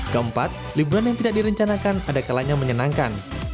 keempat liburan yang tidak direncanakan ada kalanya menyenangkan